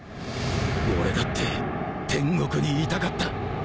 俺だって天国にいたかった。